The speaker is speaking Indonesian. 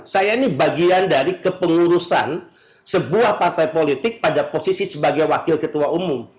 saya ini bagian dari kepengurusan sebuah partai politik pada posisi sebagai wakil ketua umum